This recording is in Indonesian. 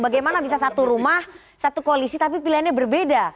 bagaimana bisa satu rumah satu koalisi tapi pilihannya berbeda